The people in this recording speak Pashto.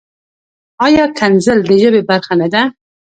ایا کنځل د ژبې برخه نۀ ده؟